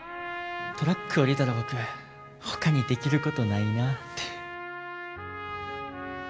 トラック降りたら僕ほかにできることないなって。